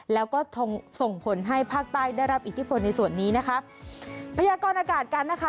แล้วก็ส่งผลให้ภาคใต้ได้รับอิทธิพลในส่วนนี้นะคะพยากรอากาศกันนะคะ